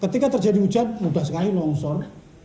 ketika terjadi hujan mudah sekali longsor